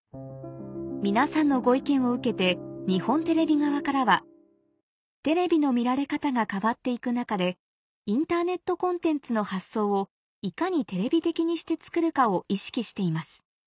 皆さんのご意見を受けて日本テレビ側からは「テレビの見られ方が変わって行く中でインターネットコンテンツの発想をいかにテレビ的にして作るかを意識しています。